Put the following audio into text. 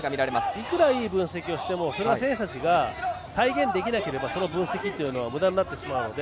いくらいい分析をしてもそれを選手たちが体現できなければその分析というのはむだになってしまうので。